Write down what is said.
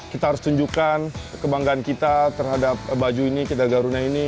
kita harus tunjukkan kebanggaan kita terhadap baju ini kita garunia ini